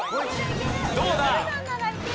どうだ？